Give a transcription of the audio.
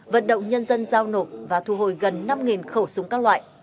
vận động nhân dân giao nộp và thu hồi gần năm khẩu súng các loại